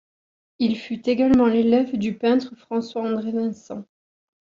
Il fut également l'élève du peintre François-André Vincent.